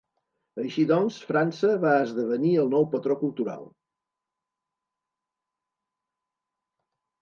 Així doncs, França va esdevenir el nou patró cultural.